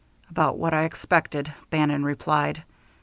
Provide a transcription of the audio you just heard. "About what I expected," Bannon replied.